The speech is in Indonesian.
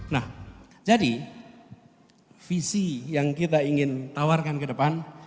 nah jadi visi yang kita ingin tawarkan ke depan